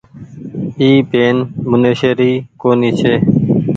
اي پين منيشي ري ڪونيٚ ڇي۔